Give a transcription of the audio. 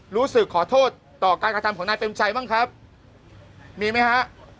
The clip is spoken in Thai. รู้สึกขอโทษต่อการกระทำของนายเปรมชัยบ้างครับมีไหมฮะ